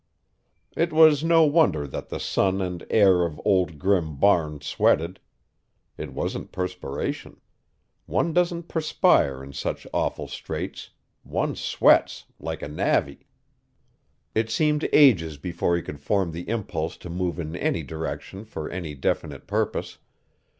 It was no wonder that the son and heir of Old Grim Barnes sweated. It wasn't perspiration. One doesn't perspire in such awful straits one sweats, like a navvy. It seemed ages before he could form the impulse to move in any direction for any definite purpose.